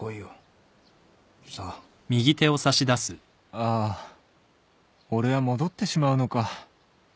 ああ俺は戻ってしまうのか